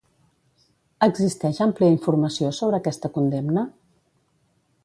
Existeix àmplia informació sobre aquesta condemna?